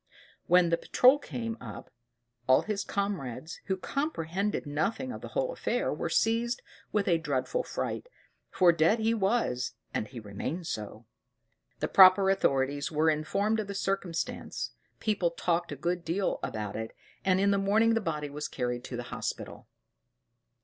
When the patrol came up, all his comrades, who comprehended nothing of the whole affair, were seized with a dreadful fright, for dead he was, and he remained so. The proper authorities were informed of the circumstance, people talked a good deal about it, and in the morning the body was carried to the hospital.